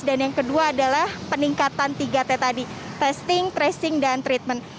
dan yang kedua adalah peningkatan tiga t tadi testing tracing dan treatment